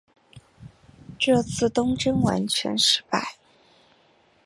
这次东征完全失败。